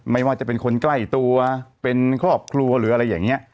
ไม่ว่าจะเป็นคนใกล้ตัวเป็นครอบครัวหรืออะไรอย่างนี้